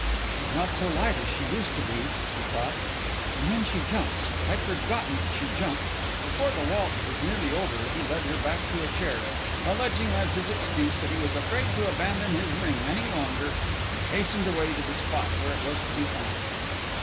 "She's not so light as she used to be," he thought, "and then she jumps. I'd forgotten she jumped." Before the waltz was nearly over he led her back to a chair, alleging as his excuse that he was afraid to abandon his ring any longer, and hastened away to the spot where it was to be found.